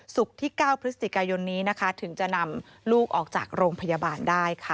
ศุกร์ที่๙พฤศจิกายนนี้นะคะถึงจะนำลูกออกจากโรงพยาบาลได้ค่ะ